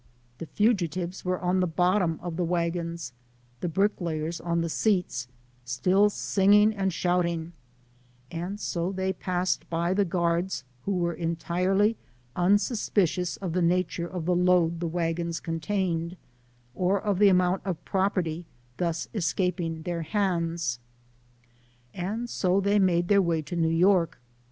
The fugitives were on the bottom of the wagons, the bricklayers on the seats, still singing and shouting ; and so they passed by the guards, who were entirely unsuspicious of the nature of the load the wagons contained, or of the amount of property thus escaping their hands. And so they made their way to New York.